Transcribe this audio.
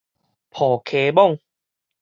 抱魁魍